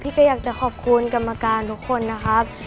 ก็อยากจะขอบคุณกรรมการทุกคนนะครับ